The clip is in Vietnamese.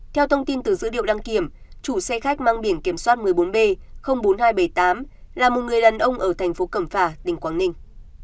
theo thông tin từ dữ liệu đăng kiểm chủ xe khách mang biển kiểm soát một mươi bốn b bốn nghìn hai trăm bảy mươi tám là một người đàn ông ở thành phố cẩm phả tỉnh quảng ninh